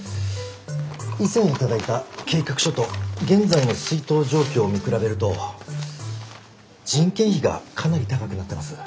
以前頂いた計画書と現在の出納状況を見比べると人件費がかなり高くなってます。